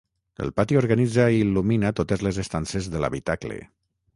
El pati organitza i il·lumina totes les estances de l'habitacle.